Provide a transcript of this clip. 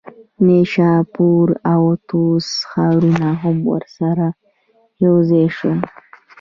نیشاپور او طوس ښارونه هم ورسره یوځای شول.